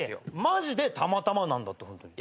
マジでたまたまなんだってホントに。